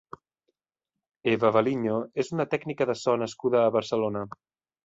Eva Valiño és una tècnica de so nascuda a Barcelona.